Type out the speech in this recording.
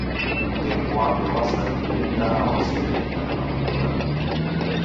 Mkeku wape wasaghie da washeng’eta na mapato ghape!